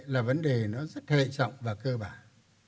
là vấn đề nó rất hệ trọng và cơ bản